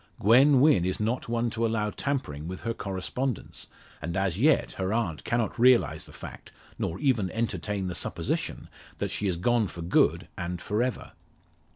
Gwen Wynn is not one to allow tampering with her correspondence; and as yet her aunt cannot realise the fact nor even entertain the supposition that she is gone for good and for ever.